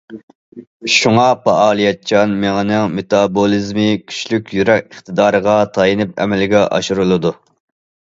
شۇڭا پائالىيەتچان مېڭىنىڭ مېتابولىزمى كۈچلۈك يۈرەك ئىقتىدارىغا تايىنىپ ئەمەلگە ئاشۇرۇلىدۇ.